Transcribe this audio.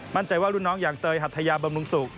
มั่นใจว่ารุ่นน้องอย่างเตยหัทยาบำรุงสุข